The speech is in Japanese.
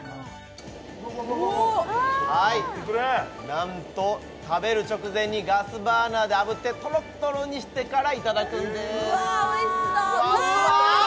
なんと食べる直前にガスバーナーで炙ってとろっとろにしてからいただくんですわおいしそあ！